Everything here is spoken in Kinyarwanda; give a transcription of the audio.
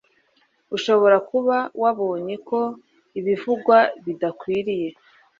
ushobora kuba wabonye ko ibivugwa bidakwiriye